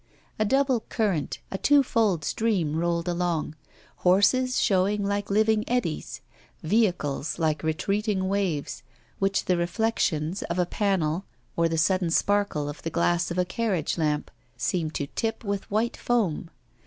A double current, a twofold stream rolled along horses showing like living eddies, vehicles like retreating waves, which the reflections of a panel or the sudden sparkle of the glass of a carriage lamp seemed to tip with white foam.